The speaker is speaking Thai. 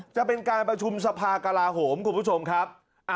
จะเป็นการประชุมสภากลาโหมคุณผู้ชมครับ